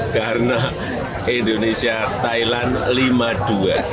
karena indonesia thailand lima dua